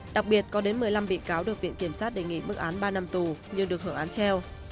đặc biệt có đến một mươi năm bị cáo được viện kiểm sát đề nghị mức án ba năm tù nhưng được hưởng án treo